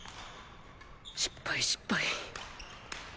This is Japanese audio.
失敗失敗。